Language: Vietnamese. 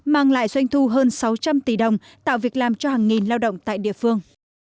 mang lại doanh thu hơn sáu trăm linh tỷ đồng tạo việc làm cho hàng nghìn lao động tại địa phương